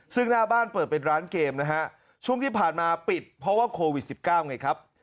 ซึ่งหน้าบ้านเปิดเป็นร้านเกมนะฮะช่วงที่ผ่านมาปิดเพราะว่าโควิด๑๙ไงครับ